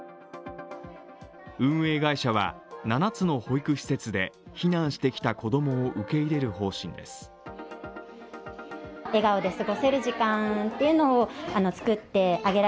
運営会社は、７つの保育施設で避難してきた子供を受け入れる方針です。